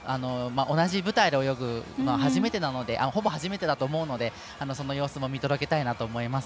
同じ舞台で泳ぐのはほぼ初めてだと思うのでその様子も見届けたいと思います。